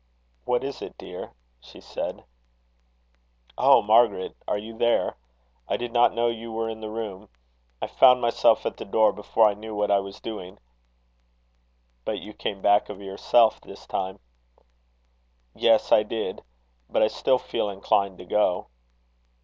"What is it, dear?" she said. "Oh, Margaret! are you there? I did not know you were in the room. I found myself at the door before I knew what I was doing." "But you came back of yourself this time." "Yes I did. But I still feel inclined to go."